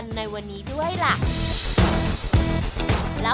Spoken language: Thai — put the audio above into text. วันนี้ขอบคุณพี่อมนต์มากเลยนะครับ